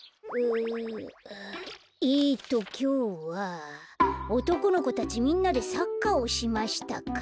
えっときょうは「おとこの子たちみんなでサッカーをしました」か。